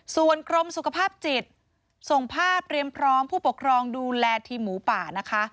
ส่วนกรมสุขภาพจิตส่งภาพเตรียมพร้อมผู้ปกครองดูแลทีมหมูป่านะคะ